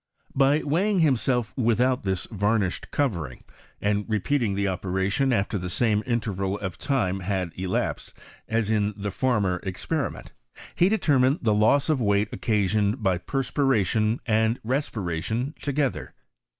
By weighing himself without this varnished covering', and repeating the operation after the same interval of time had elapsed, as in the former experiment, he determined the loss of weight occasioned hy perspira tion and respiration together.